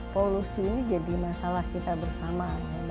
polusi ini jadi masalah kita bersama